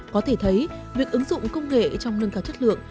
có thể thấy việc ứng dụng công nghệ trong nâng cao chất lượng